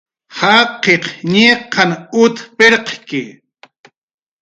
Jaqiq ñiqan ut pirqki